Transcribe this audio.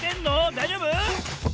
だいじょうぶ？